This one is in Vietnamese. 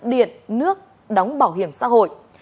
điện nước đóng bảo hiểm xã hội